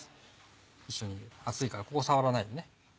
一緒にね熱いからここ触らないでね。